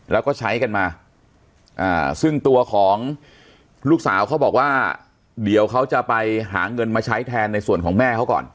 แล้วก็ใช้กันมาซึ่งตัวของลูกสาวเขาบอกว่าเดี๋ยวเขาจะไปหาเงินมาใช้แทนในส่วนของแม่เขาก่อน